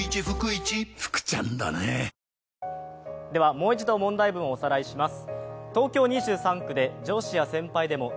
もう一度問題文をおさらいします。